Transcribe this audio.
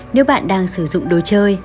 nếu bạn đang sử dụng đồ chơi